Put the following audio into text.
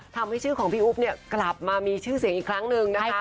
ทำให้ชื่อของพี่อุ๊บเนี่ยกลับมามีชื่อเสียงอีกครั้งหนึ่งนะคะ